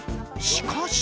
しかし。